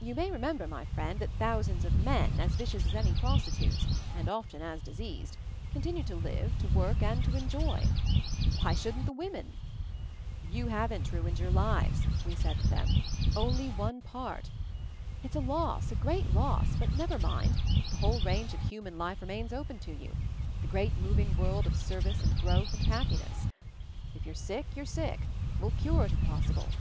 You may remember, my friend, that thousands of men, as vicious as any prostitutes, and often as diseased, continued to live, to work, and to enjoy. Why shouldn't the women? You haven't ruined your lives, we said to them; \\ 254 MOVING THE MOUNTAIN only one part. It's a loss, a great loss, but never mind, the whole range of human life remains open to you, the great moving world of service and growth and happiness. If you're sick, you're sick — we'll cure it if pos sible.